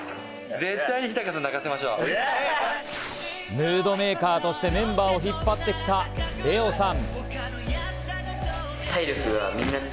ムードメーカーとしてメンバーを引っ張ってきたレオさん。